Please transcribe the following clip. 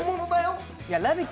「ラヴィット！」